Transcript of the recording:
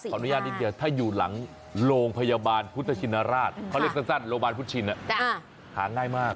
อนุญาตนิดเดียวถ้าอยู่หลังโรงพยาบาลพุทธชินราชเขาเรียกสั้นโรงพยาบาลพุทธชินหาง่ายมาก